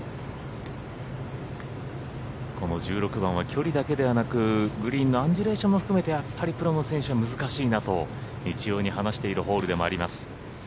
この１６番は距離だけではなくグリーンのアンジュレーションも含めてやはりプロの選手は難しいなと一様に話しているホールでもあります。